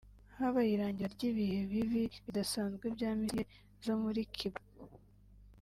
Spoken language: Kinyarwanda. Habaye irangira ry’ ibihe bibi bidasanzwe bya Misile zo muri Cuba